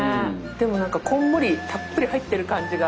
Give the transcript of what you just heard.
でもこんもりたっぷり入っている感じが。